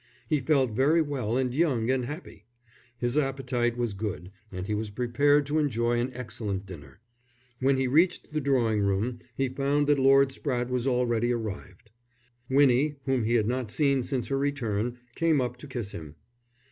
He felt very well and young and happy. His appetite was good and he was prepared to enjoy an excellent dinner. When he reached the drawing room he found that Lord Spratte was already arrived. Winnie, whom he had not seen since her return, came up to kiss him.